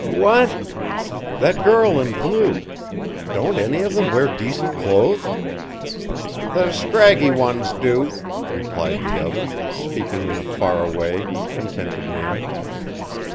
"What?" "That girl in blue. Don't any of them wear decent clothes?" "The scraggy ones do," replied the other, speaking in a far away and contented manner.